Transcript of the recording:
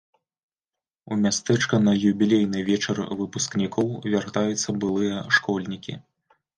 У мястэчка на юбілейны вечар выпускнікоў вяртаюцца былыя школьнікі.